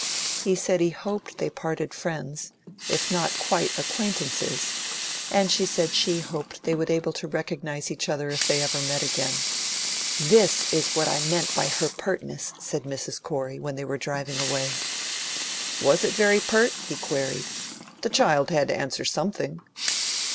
He said he hoped they parted friends, if not quite acquaintances; and she said she hoped they would be able to recognise each other if they ever met again. "That is what I meant by her pertness," said Mrs Corey, when they were driving away. "Was it very pert?" he queried. "The child had to answer something."